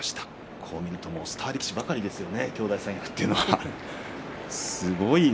こう見るとスター力士ばっかりですよね。